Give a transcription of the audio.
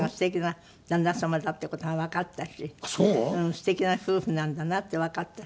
すてきな夫婦なんだなってわかったし。